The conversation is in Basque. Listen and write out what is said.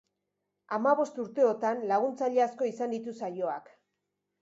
Hamabost urteotan, laguntzaile asko izan ditu saioak.